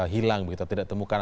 hilang tidak ditemukan